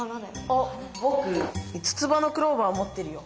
あぼく五つ葉のクローバーもってるよ。